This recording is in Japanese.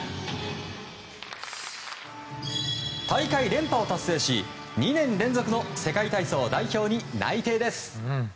大会連覇を達成し、２年連続の世界体操代表に内定です。